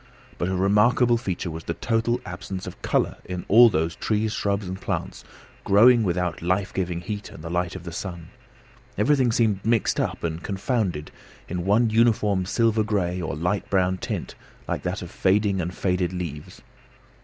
But a remarkable feature was the total absence of colour in all those trees, shrubs, and plants, growing without the life giving heat and light of the sun. Everything seemed mixed up and confounded in one uniform silver grey or light brown tint like that of fading and faded leaves.